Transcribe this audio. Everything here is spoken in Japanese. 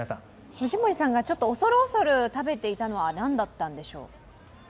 藤森さんが恐る恐る食べていたのは何だったんでしょう？